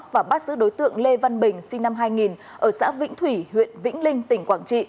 và bắt giữ đối tượng lê văn bình sinh năm hai nghìn ở xã vĩnh thủy huyện vĩnh linh tỉnh quảng trị